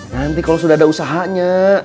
nanti kalau sudah ada usahanya